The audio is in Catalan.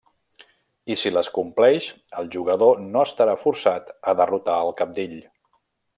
I si les compleix, el jugador no estarà forçat a derrotar el cabdill.